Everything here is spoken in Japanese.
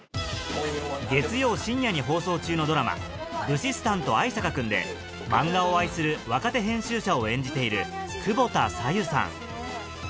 月曜深夜に放送中のドラマ『武士スタント逢坂くん！』で漫画を愛する若手編集者を演じている久保田紗友さん